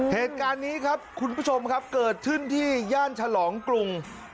เหตุการณ์นี้ครับคุณผู้ชมครับเกิดขึ้นที่ย่านฉลองกรุง